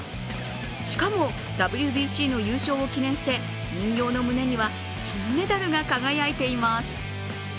しかも、ＷＢＣの優勝を記念して、人形の胸には金メダルが輝いています。